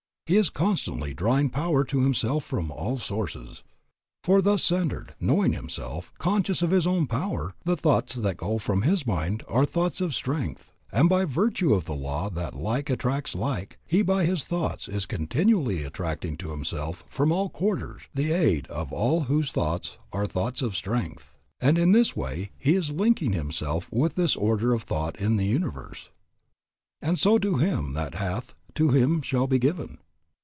He is constantly drawing power to himself from all sources. For, thus centred, knowing himself, conscious of his own power, the thoughts that go from his mind are thoughts of strength; and by virtue of the law that like attracts like, he by his thoughts is continually attracting to himself from all quarters the aid of all whose thoughts are thoughts of strength, and in this way he is linking himself with this order of thought in the universe. And so to him that hath, to him shall be given.